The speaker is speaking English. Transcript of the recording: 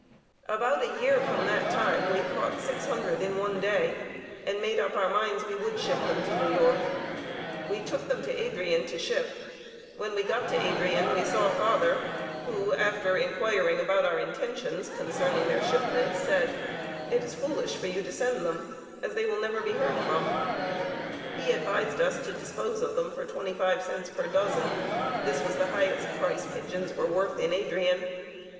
About a year from that time we caught 600 in one day, and made up our minds we would ship them to New York. We took them to Adrian to ship. When we got to Adrian we saw father, who, after inquiring about our intentions concerning their shipment, said: "It is foolish for you to send them, as they will never be heard from." He advised us to dispose of them for 25 cents per dozen; this was the highest price pigeons were worth in Adrian.